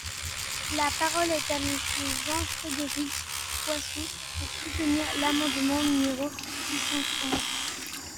La parole est à Monsieur Jean-Frédéric Poisson, pour soutenir l’amendement numéro six cent trente.